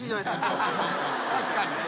確かにね。